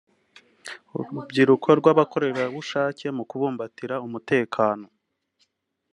urubyiruko rw’abakorerabushake mu kubumbatira umutekano